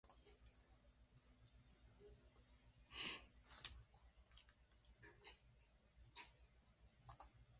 泣き寝入りした、見たところ静かな眠りのなかで、最初のしわがブランコ乗りのすべすべした子供のような額の上に刻まれ始めているのを見るように思った。